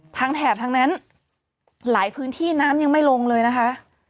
แถบทางนั้นหลายพื้นที่น้ำยังไม่ลงเลยนะคะ